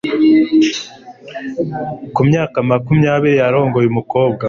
Ku myaka makumyabiri yarongoye umukobwa